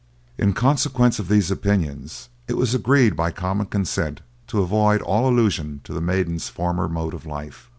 In consequence of these opinions, it was agreed by common consent to avoid all allusion to the maiden's former mode of life.